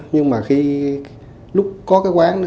nhưng mà khi lúc có cái quán